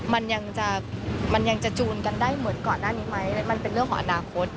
มันยังจะมันยังจะจูนกันได้เหมือนก่อนหน้านี้ไหมมันเป็นเรื่องของอนาคต